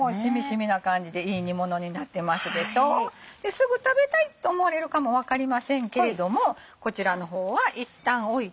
すぐ食べたいと思われるかも分かりませんけれどもこちらの方はいったん置いて。